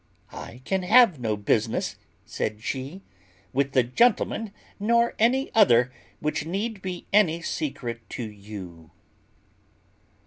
"I can have no business," said she, "with the gentleman, nor any other, which need be any secret to you."